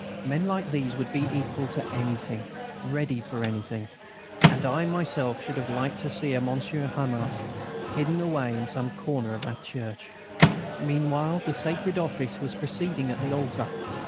Men like these would be equal to anything, ready for anything; and I myself should much have liked to see a Monsieur Homais hidden away in some corner of that church. Meanwhile the sacred Office was proceeding at the altar.